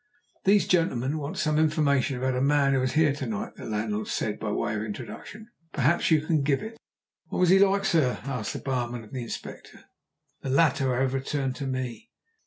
"These gentlemen want some information about a man who was here to night," the landlord said by way of introduction. "Perhaps you can give it?" "What was he like, sir?" asked the barman of the Inspector. The latter, however, turned to me.